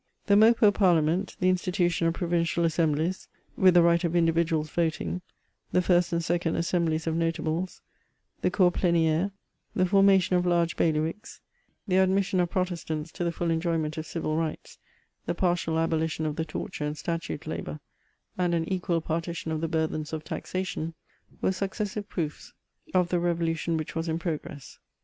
The Meaupeou Parliament, the institution of provincial as semblies, with the right of individuals voting, the first and second assemblies of Notables, the cour pleniere^ the formation of large bailiwicks, the admission of Protestants to the full enjoyment of civil rights, the partial abolition of the torture and statute labour^ and an equal partition of the burthens of taxation, were successive VOL. I. p 190 MEMOIBS OF proofs of tbe reyolution which was m progress.